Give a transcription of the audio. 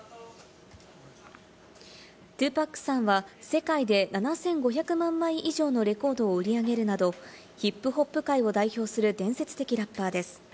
２パックさんは世界で７５００万枚以上のレコードを売り上げるなど、ヒップホップ界を代表する伝説的ラッパーです。